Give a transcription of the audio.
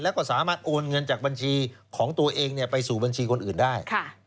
แล้วก็สามารถโอนเงินจากบัญชีของตัวเองไปสู่บัญชีคนอื่นได้